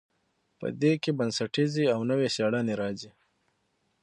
په دې کې بنسټیزې او نوې څیړنې راځي.